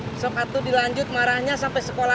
besok atu dilanjut marahnya sampai sekolahan